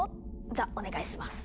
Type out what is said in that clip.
じゃお願いします。